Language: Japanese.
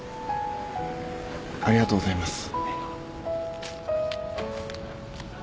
ありがとうございます。